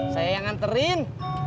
saya yang anterin